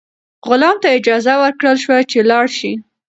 غلام ته اجازه ورکړل شوه چې لاړ شي.